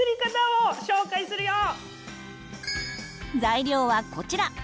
材料はこちら。